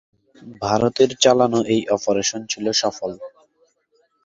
ভারতের চালানো এই অপারেশন ছিল সফল।